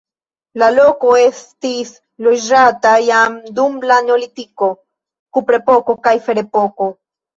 La loko estis loĝata jam dum la neolitiko, kuprepoko kaj ferepoko.